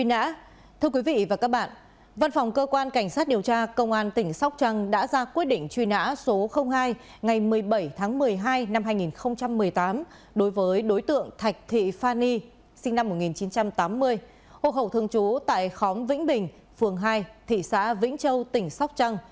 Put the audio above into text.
còn về tội trộm cắt tài sản văn phòng cơ quan cảnh sát điều tra công an tỉnh sóc trăng đã ra quyết định truy nã số một ngày một mươi chín tháng bảy năm hai nghìn một mươi sáu đối với đối tượng trịnh trường lâm sinh năm một nghìn chín trăm sáu mươi chín hộ khẩu thương chú tại khóm hai phường một thị xã vĩnh châu tỉnh sóc trăng